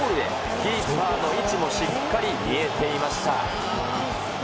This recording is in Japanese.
キーパーの位置もしっかり見えていました。